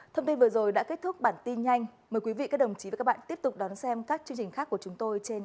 thông tin vừa rồi đã kết thúc bản tin nhanh mời quý vị các đồng chí và các bạn tiếp tục đón xem các chương trình khác của chúng tôi trên